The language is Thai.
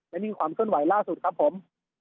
นั่นเป็นความเคลื่อนไหวล่าสุดครับผม